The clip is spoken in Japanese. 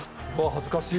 恥ずかしい